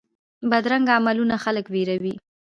بدرنګه عملونه خلک ویروي